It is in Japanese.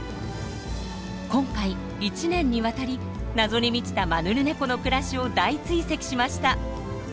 今回１年にわたり謎に満ちたマヌルネコの暮らしを大追跡しました。